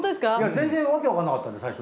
全然訳わかんなかったんで最初。